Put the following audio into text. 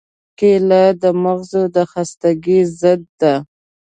کېله د مغزو د خستګۍ ضد ده.